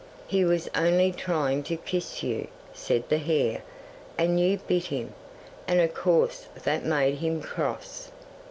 '"He was only trying to kiss you," said the hare, "and you bit him, and of course that made him cross."